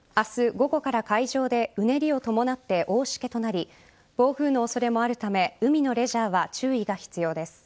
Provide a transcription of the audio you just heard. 午後から海上でうねりを伴って大しけとなり暴風の恐れもあるため海のレジャーは注意が必要です。